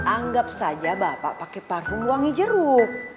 anggap saja bapak pakai parfum wangi jeruk